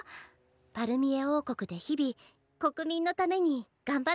パルミエ王国で日々国民のために頑張ってらっしゃるわ。